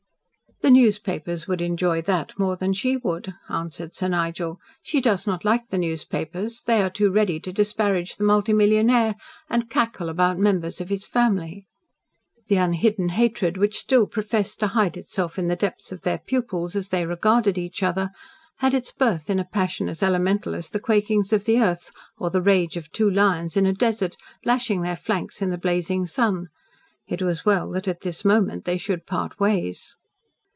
"The newspapers would enjoy that more than she would," answered Sir Nigel. "She does not like the newspapers. They are too ready to disparage the multi millionaire, and cackle about members of his family." The unhidden hatred which still professed to hide itself in the depths of their pupils, as they regarded each other, had its birth in a passion as elemental as the quakings of the earth, or the rage of two lions in a desert, lashing their flanks in the blazing sun. It was well that at this moment they should part ways.